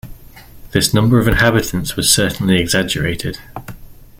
This number of inhabitants was certainly exaggerated.